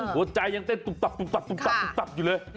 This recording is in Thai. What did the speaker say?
หัวใจยังเต้นตุบอยู่เลย